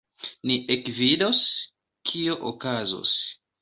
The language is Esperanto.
Ni ekvidos, kio okazos.